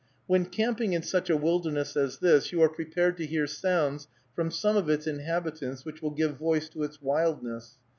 When camping in such a wilderness as this, you are prepared to hear sounds from some of its inhabitants which will give voice to its wildness.